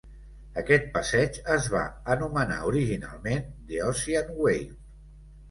Aquest passeig es va anomenar originalment "The Ocean Wave".